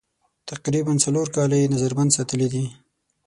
تقریباً څلور کاله یې نظر بند ساتلي دي.